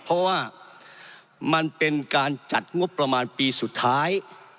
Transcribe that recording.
เพราะว่ามันเป็นการจัดงบประมาณปีสุดท้าย